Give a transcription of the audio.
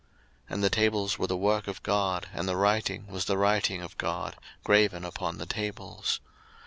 02:032:016 And the tables were the work of God, and the writing was the writing of God, graven upon the tables.